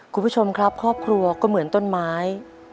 คุณผู้ชมครับครอบครัวก็เหมือนต้นไม้